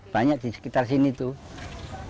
banyak di sekitar sini tuh